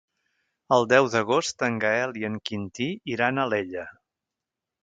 El deu d'agost en Gaël i en Quintí iran a Alella.